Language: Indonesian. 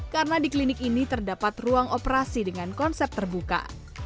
karena di klinik ini terdapat ruang operasi dengan konsep terbuka